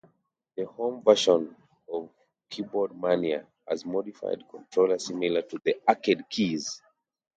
The Home Version of keyboardmania has Modified controller similar to the Arcade keys.